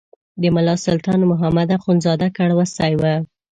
د ملا سلطان محمد اخندزاده کړوسی و.